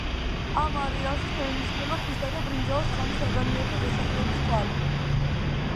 ამ არეალში შეინიშნება ქვისა და ბრინჯაოს ხანის ადამიანთა დასახლების კვალი.